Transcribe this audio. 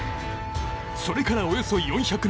それからおよそ４００年。